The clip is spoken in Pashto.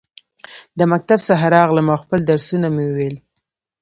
د مکتب څخه راغلم ، او خپل درسونه مې وویل.